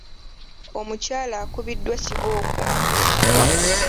Omukyala akubiddwa kibooko.